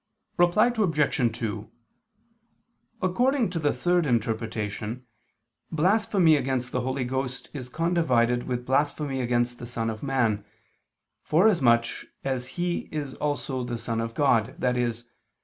Reply Obj. 2: According to the third interpretation, blasphemy against the Holy Ghost is condivided with blasphemy against the Son of Man, forasmuch as He is also the Son of God, i.e.